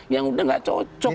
yang sudah tidak cocok